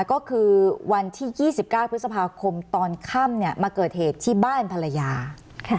ก็คือวันที่๒๙พฤษภาคมตอนค่ำเนี่ยมาเกิดเหตุที่บ้านภรรยาค่ะ